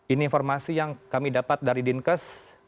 ini informasi yang kami dapat dari dinkes